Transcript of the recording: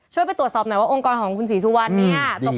ไปตรวจสอบหน่อยว่าองค์กรของคุณศรีสุวรรณเนี่ย